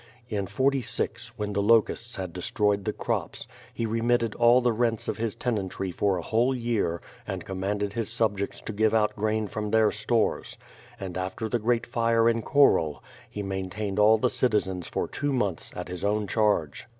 In '46, when the locu«^ts had destroyed the crops, he remitted all the rents of his tenantry for a whole year and commanded his subjects to give out grain from their stores; and after the great fire in Khorol, he main tained all the citizens for two months at his own charge.